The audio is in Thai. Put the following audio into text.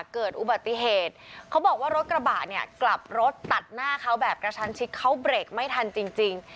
เกิดอุบัติเหตุเขาบอกว่ารถกระบะเนี่ยกลับรถตัดหน้าเขาแบบกระชันชิดเขาเบรกไม่ทันจริงจริง